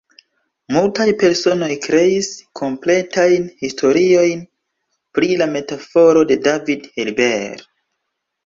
Multaj personoj kreis kompletajn historiojn pri la metaforo de David Hilbert.